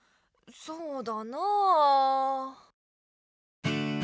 そうだなあ。